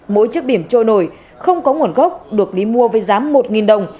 mỗi chiếc bìm trôi nổi không có nguồn gốc được đi mua với giá một đồng